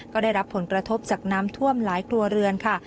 ก็ได้รับผลกระทบจากน้ำท่วมหลายครัวเรือนค่ะ